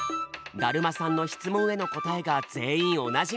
だるまさんの質問への答えが全員同じになること！